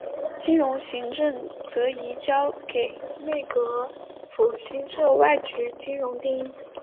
金融行政则移交给内阁府新设外局金融厅。